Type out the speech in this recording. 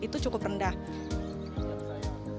dan juga untuk memiliki kekuatan yang lebih rendah